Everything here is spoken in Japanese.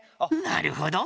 なるほど！